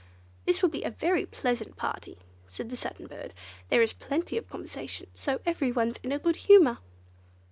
"This will be a very pleasant party," said the Satin Bird, "there is plenty of conversation, so everyone's in a good humour."